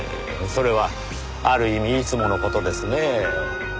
それはある意味いつもの事ですねぇ。